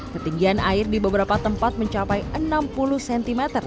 ketinggian air di beberapa tempat mencapai enam puluh cm